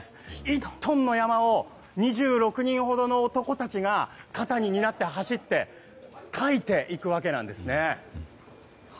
１トンの山笠を２６人ほどの男たちが肩に担って走って舁いていくわけです。